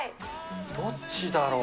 どっちだろう。